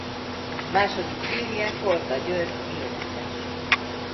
Második férje Korda György énekes.